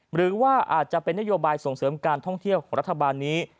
หรือว่าอาจจะเป็นนโยบายส่งเสริมการท่องเที่ยวของรัฐบาลนี้